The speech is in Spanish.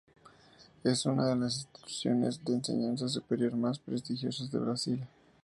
Es una de las instituciones de enseñanza superior más prestigiosas de Brasil.